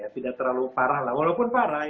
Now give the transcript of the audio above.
tidak terlalu parah lah walaupun parah